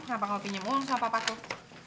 kenapa gak pinjam uang sama papa tuh